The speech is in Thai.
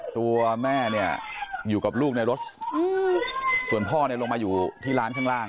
ตัวแม่เนี่ยอยู่กับลูกในรถส่วนพ่อเนี่ยลงมาอยู่ที่ร้านข้างล่าง